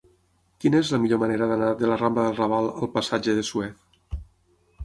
Quina és la millor manera d'anar de la rambla del Raval al passatge de Suez?